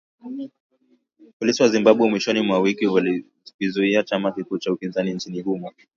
Polisi wa Zimbabwe mwishoni mwa wiki walikizuia chama kikuu cha upinzani nchini humo